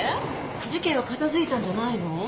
事件は片付いたんじゃないの？